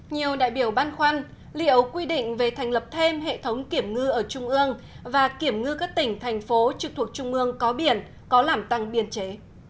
nhiều đại biểu băn khoăn liệu quy định về thành lập thêm hệ thống kiểm ngư ở trung ương và kiểm ngư các tỉnh thành phố trực thuộc trung ương có biển có làm tăng biên chế